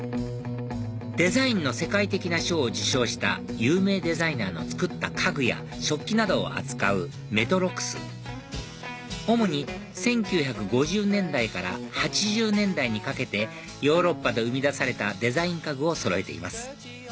デザインの世界的な賞を受賞した有名デザイナーの作った家具や食器などを扱うＭＥＴＲＯＣＳ主に１９５０年代から８０年代にかけてヨーロッパで生み出されたデザイン家具をそろえています